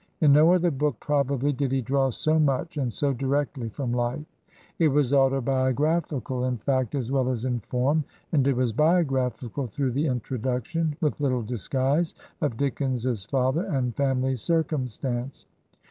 In no other book, probably, did he draw so much and so directly from life. It was autobiographical in fact ''"' 145 Digitized by VjOOQIC HEROINES OF FICTION as well as in form, and it was biographical through the introduction, with little disguise, of Dickens's father and family circumstance.